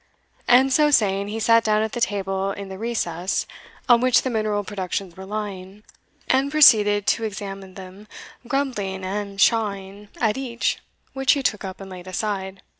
And so saying, he sat down at the table in the recess, on which the mineral productions were lying, and proceeded to examine them, grumbling and pshawing at each which he took up and laid aside.